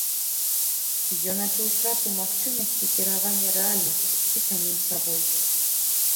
Ён адчуў страту магчымасці кіравання рэальнасцю і самім сабой.